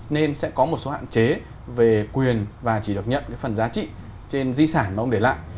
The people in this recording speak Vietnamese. nên sẽ có một số hạn chế về quyền và chỉ được nhận cái phần giá trị trên di sản mà ông để lại